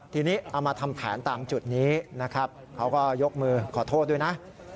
ทีนี้เอามาทำแผนตามจุดนี้นะครับเขาก็ยกมือขอโทษด้วยนะ